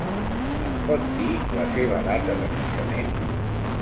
Em pot dir la seva data de naixement?